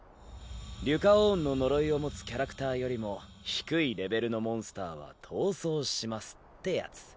「リュカオーンの呪いを持つキャラクターよりも低いレベルのモンスターは逃走します」ってやつ。